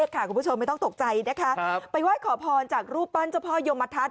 คุณผู้ชมไม่ต้องตกใจนะคะไปไหว้ขอพรจากรูปปั้นเจ้าพ่อยมทัศ